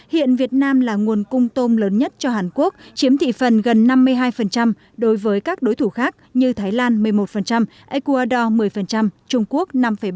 hiện việt nam là nguồn cung tôm lớn nhất cho hàn quốc chiếm thị phần gần năm mươi hai đối với các đối thủ khác như thái lan một mươi một ecuador một mươi trung quốc năm ba